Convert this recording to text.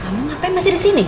kamu ngapain masih disini